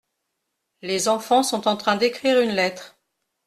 Les enfants sont en train d’écrire une lettre.